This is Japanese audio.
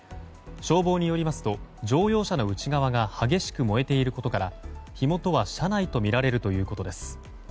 消防によりますと乗用車の内側が激しく燃えていることから火元は車内とみられるということです。